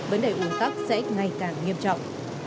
vấn đề ủng tắc sẽ ngày càng nghiêm trọng